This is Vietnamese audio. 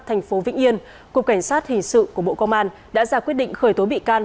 thành phố vĩnh yên cục cảnh sát hình sự của bộ công an đã ra quyết định khởi tố bị can